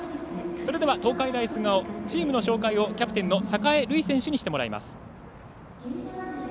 それでは東海大菅生チームの紹介をキャプテンの榮塁唯選手にしてもらいます。